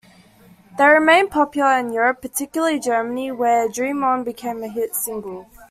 They remained popular in Europe, particularly Germany, where "Dream On" became a hit single.